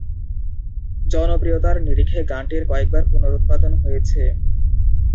জনপ্রিয়তার নিরিখে গানটির কয়েকবার পুনরুৎপাদন হয়েছে।